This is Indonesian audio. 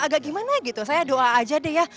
agak gimana gitu saya doa aja deh ya